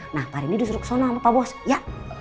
nah pak rini disuruh ke sana sama pak bos ya